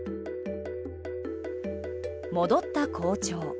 戻った校長。